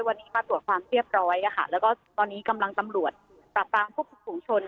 วันนี้มาตรวจความเรียบร้อยแล้วก็ตอนนี้กำลังตำรวจปรับปรามควบคุมฝุงชน